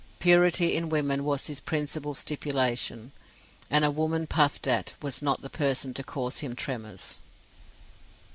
Purity in women was his principal stipulation, and a woman puffed at, was not the person to cause him tremours.